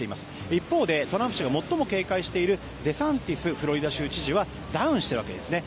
一方でトランプ氏が最も警戒しているデサンティス、フロリダ州知事はダウンしているわけですね。